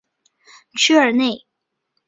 屈尔内。